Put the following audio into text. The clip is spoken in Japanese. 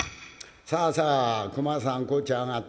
「さあさあ熊さんこっち上がっとくれ」。